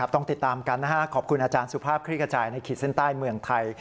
ต้องติดตามกันขอบคุณอาจารย์สุภาพคลิกกระจายในขีดเส้นใต้เมืองไทย